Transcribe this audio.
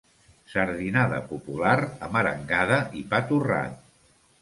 Sardinada popular amb arengada i pa torrat.